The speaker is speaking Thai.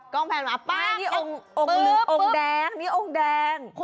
กล้องแพนระวักป่ะปึ๊บนี่องค์แดง